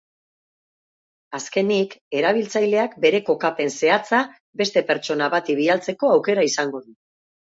Azkenik, erabiltzaileak bere kokapen zehatza beste pertsona bati bidaltzeko aukera izango du.